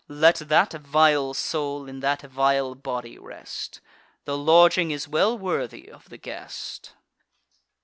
Let that vile soul in that vile body rest; The lodging is well worthy of the guest.